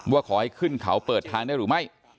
ว่าขอให้ขึ้นเขาเปิดทางได้หรือไม่